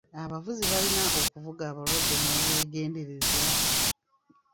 Abavuzi balina okuvuga abalwadde n'obwegendereza.